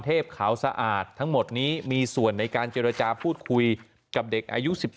ขาวสะอาดทั้งหมดนี้มีส่วนในการเจรจาพูดคุยกับเด็กอายุ๑๒